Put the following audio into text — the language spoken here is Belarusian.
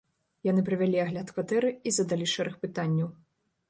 Яны правялі агляд кватэры і задалі шэраг пытанняў.